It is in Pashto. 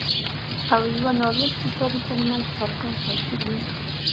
او يوه نالوستي سړي ترمنځ څرګند توپير وينو